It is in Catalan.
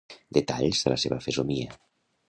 — detalls de la seva fesomia.